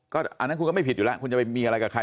อันนั้นคุณก็ไม่ผิดอยู่แล้วคุณจะไปมีอะไรกับใคร